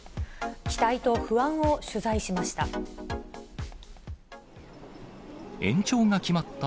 期待と不安を取材しました。